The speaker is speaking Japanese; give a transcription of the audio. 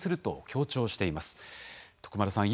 徳丸さん